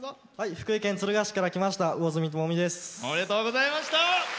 福井県敦賀市から来ましたうおずみです。